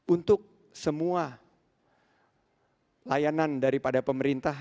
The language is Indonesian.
untuk semua layanan daripada pemerintah